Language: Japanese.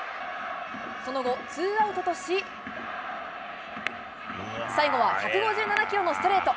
その後、ツーアウトとし、最後は、１５７キロのストレート。